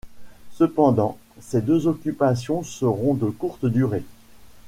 Cependant, ces deux occupations seront de courte durée.